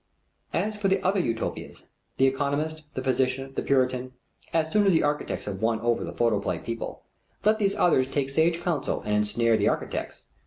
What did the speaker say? As for the other Utopians, the economist, the physician, the puritan, as soon as the architects have won over the photoplay people, let these others take sage counsel and ensnare the architects.